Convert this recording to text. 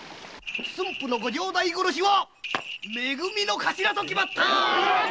駿府のご城代殺しは「め組」のカシラと決まった。